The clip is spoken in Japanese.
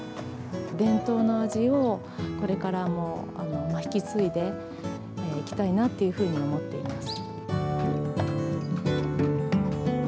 伝統の味をこれからも引き継いでいきたいなというふうに思っています。